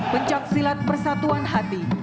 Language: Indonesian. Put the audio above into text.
pencaksilat persatuan hati